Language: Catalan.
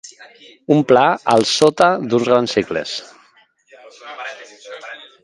Un pla al sota d'uns grans cingles.